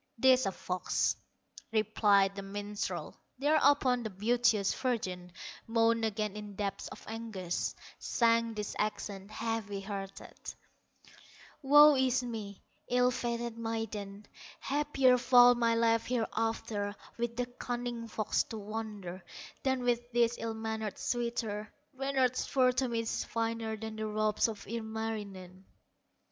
"'Tis a fox", replied the minstrel. Thereupon the beauteous virgin Moaned again in depths of anguish, Sang these accents, heavy hearted: "Woe is me, ill fated maiden! Happier far my life hereafter, With the cunning fox to wander, Than with this ill mannered suitor; Reynard's fur to me is finer Than the robes of Ilmarinen."